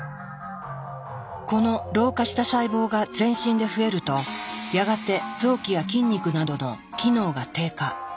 この老化した細胞が全身で増えるとやがて臓器や筋肉などの機能が低下。